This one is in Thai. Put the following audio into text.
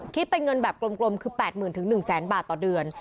คิดเป็นเงินแบบกลมคือ๘๐๐๐๑๐๐๐บาทต่อเดือน